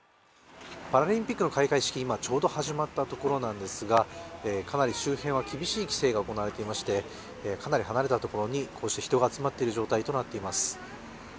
パラリンピックの開会式、今ちょうど始まったところなんですがかなり周辺は厳しい規制が張られていましてかなり離れたところにこうして人が集まっている状態となっています。